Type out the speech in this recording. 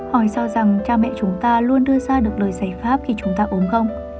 hỏi cho rằng cha mẹ chúng ta luôn đưa ra được lời giải pháp khi chúng ta ốm không